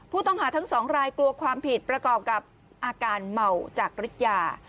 ผู้ต้องหาทั้งสองรายกลัวความผิดประกอบกับอาการเมาจากฤทธิยา